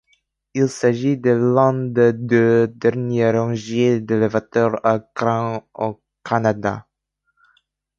Il s'agit de l'un des deux dernières rangées d'élévateurs à grain au Canada.